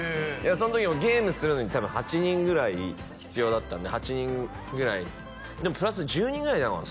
その時もゲームするのに多分８人ぐらい必要だったんで８人ぐらいでもプラス１０人ぐらいいたかな？